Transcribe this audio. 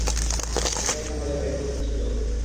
এটাই তাহলে bad news ছিল?